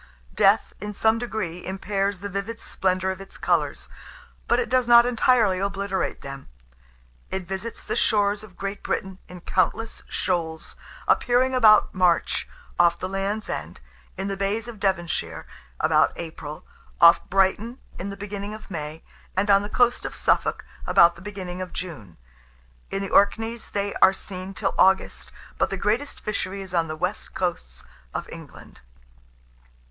Death, in some degree, impairs the vivid splendour of its colours; but it does not entirely obliterate them. It visits the shores of Great Britain in countless shoals, appearing about March, off the Land's End; in the bays of Devonshire, about April; off Brighton in the beginning of May; and on the coast of Suffolk about the beginning of June. In the Orkneys they are seen till August; but the greatest fishery is on the west coasts of England.